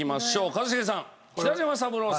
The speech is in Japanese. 一茂さん。